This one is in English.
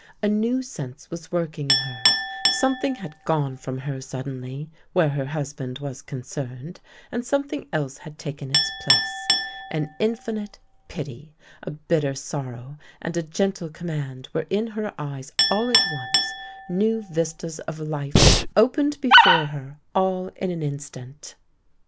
A new sense was working in her. Something had gone from her suddenly where her hus band was concerned, and something else had taken its place. An infinite pity, a bitter sorrow, and a gentle command were in her eyes all at once — new vistas of life opened before her, all in an instant.